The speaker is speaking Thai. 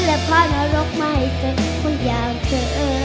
และพาขนรกมาให้เจอคนอย่างเธอ